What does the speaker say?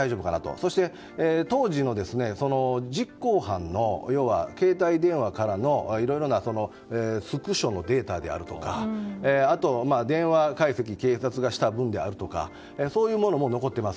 そして、当時の実行犯の携帯電話からのいろいろなスクショのデータであるとかあと、電話解析を警察がした分であるとかそういうものも残ってます。